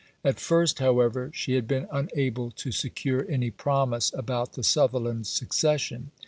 At first, however, she had been unable to secure any promise about the Sutherland Succession.